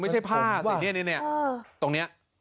เหรอ